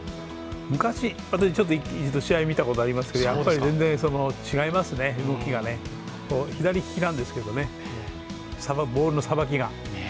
昔、私試合を見たことがありますけれどもやっぱり全然違いますね、動きがね左利きなんですけどね、ボールのさばきが。